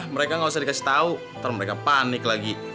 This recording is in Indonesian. mereka gausah dikasih tau ntar mereka panik lagi